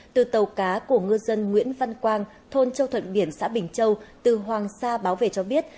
từ tàu cá của ngư dân nguyễn văn quang thôn châu thuận biển xã bình châu từ hoàng sa báo về cho biết